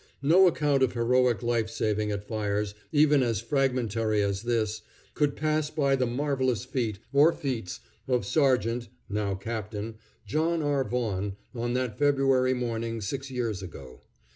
No account of heroic life saving at fires, even as fragmentary as this, could pass by the marvelous feat, or feats, of Sergeant (now Captain) John R. Vaughan on that February morning six years ago.